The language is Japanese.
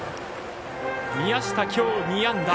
宮下、今日２安打。